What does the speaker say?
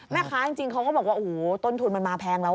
จริงเขาก็บอกว่าโอ้โหต้นทุนมันมาแพงแล้ว